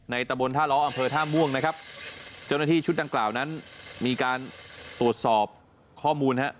ตะบนท่าล้ออำเภอท่าม่วงนะครับเจ้าหน้าที่ชุดดังกล่าวนั้นมีการตรวจสอบข้อมูลฮะ